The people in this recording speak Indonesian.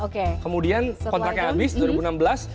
kemudian kontraknya habis dua ribu enam belas